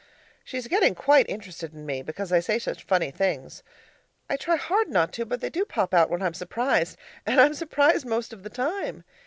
She's getting quite interested in me, because I say such funny things. I try hard not to, but they do pop out when I'm surprised and I'm surprised most of the time.